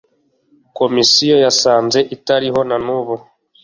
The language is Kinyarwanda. komisiyo yasanze itariho nanubu